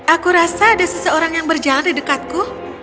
aku rasa ada seseorang yang berjalan di dekatku